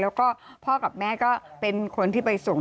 แล้วก็พ่อกับแม่ก็เป็นคนที่ไปส่ง